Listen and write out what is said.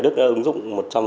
đức đã ứng dụng một trăm linh